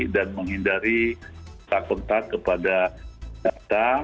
dan menghindari tak kontak kepada kata